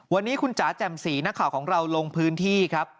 วันนี้คุณจ๋าแจ่มสีนักข่าวของเราลงพื้นที่ครับ